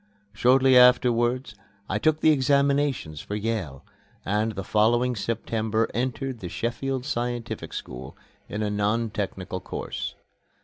Shortly afterwards I took my examinations for Yale, and the following September entered the Sheffield Scientific School, in a non technical course.